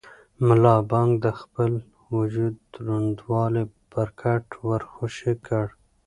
ملا بانګ د خپل وجود دروندوالی پر کټ ور خوشې کړ.